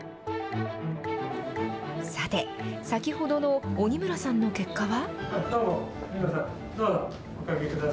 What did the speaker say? さて、先ほどの鬼村さんの結果は？